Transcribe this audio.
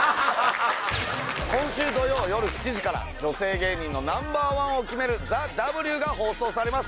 今週土曜夜７時から、女性芸人のナンバーワンを決めるＴＨＥＷが放送されます。